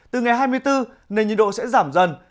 từ ngày hai mươi bốn nền nhiệt độ sẽ giảm dần